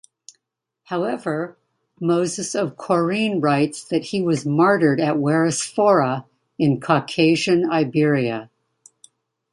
However, Moses of Chorene writes that he was martyred at Weriosphora in Caucasian Iberia.